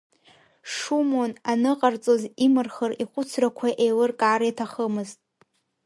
Шумон аныҟарҵоз имырхыр, ихәыцрақәа еилыркаар иҭахымызт.